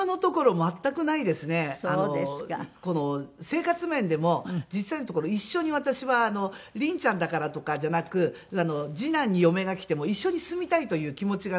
生活面でも実際のところ一緒に私は凛ちゃんだからとかじゃなく次男に嫁が来ても一緒に住みたいという気持ちがないので。